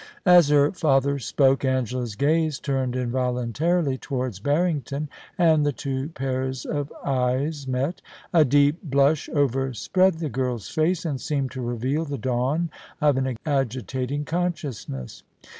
As her father spoke Angela's gaze turned involuntarily towards Harrington, and the two pairs of eyes met A deep blush overspread the girl's face, and seemed to reveal the dawn of an agitating consciousness.